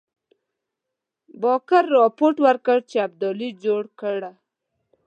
بارکر رپوټ ورکړ چې ابدالي جوړه کړې.